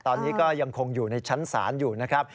ตอนนี้ก็ยังคงอยู่ในชั้นศาลอยู่นะครับ